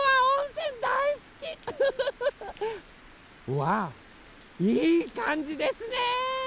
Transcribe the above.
わあいいかんじですね。